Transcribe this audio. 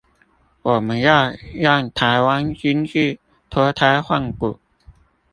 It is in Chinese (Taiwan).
我們要讓臺灣經濟脫胎換骨